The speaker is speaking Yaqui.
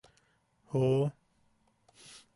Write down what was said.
¡Joo!